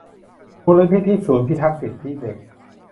มูลนิธิศูนย์พิทักษ์สิทธิเด็ก